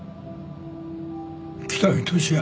北見俊哉